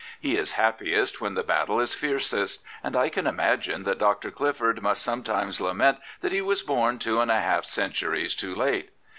He is happiest when the battle is fiercest, and I can imagine that Dr. Clifford must sometimes lament that he was bom two and a half centuries too late.